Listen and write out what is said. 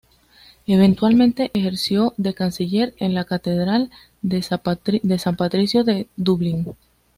Eventualmente ejerció de canciller de la Catedral de San Patricio de Dublín.